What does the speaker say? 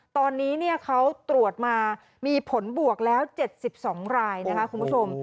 ตอนนี้เขาตรวจมามีผลบวกแล้ว๗๒รายนะคะคุณผู้ชม